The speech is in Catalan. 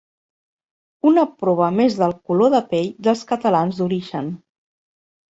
Una prova més del color de pell dels catalans d'origen.